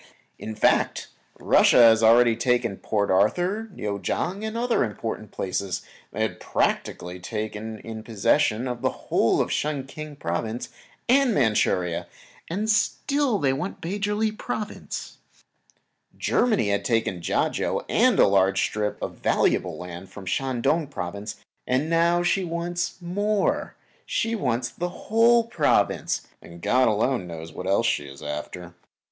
In fact Russia had already taken Port Arthur, Newchang and other important places, and had practically taken in possession the whole of Shen King Province and Manchuria, and still they want the Pechili Province. Germany had taken Kiachau and a large strip of valuable land from the Shan Tung Province, and now she wants more; she wants that whole Province, and God alone knows what else she is after.